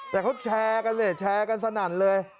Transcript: แต่เขาแชร์กันเลยแชร์กันสนั่นเลย